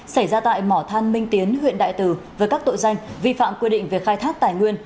xảy ra tại mỏ than minh tiến huyện đại từ với các tội danh vi phạm quy định về khai thác tài nguyên